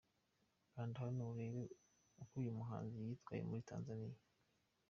Kanda hano urebe uko uyu muhanzi yitwaye muri Tanzania.